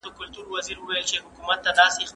مبارکي وویله.